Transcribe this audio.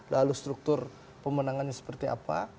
lalu struktur pemenangannya seperti apa